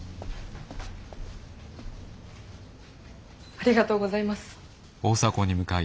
ありがとうございます。